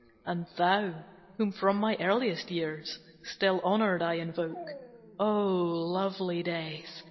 And thou, whom from my earliest years, Still honored I invoke, O lovely Death!